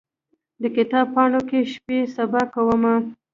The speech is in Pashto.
د کتاب پاڼو کې شپې سبا کومه